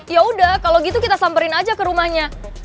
yaudah kalau gitu kita samperin aja ke rumahnya